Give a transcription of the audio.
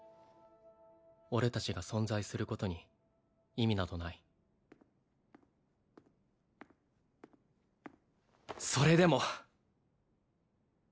俺達が存在することに意味などないそれでも！